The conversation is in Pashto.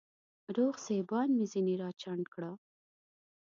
روغ سېبان مې ځيني راچڼ کړه